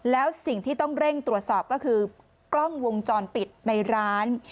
แล้วสิ่งที่ต้องเร่งตรวจสอบก็คือกล้องวงจรปิดในร้าน